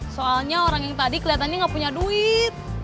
soalnya orang yang tadi keliatannya gak punya duit